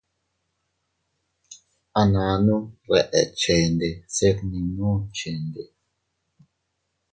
A nannu reʼe chende se fninduu chende.